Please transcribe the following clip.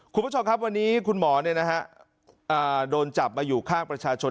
คุณผู้ชมครับวันนี้คุณหมอโดนจับมาอยู่ข้างประชาชน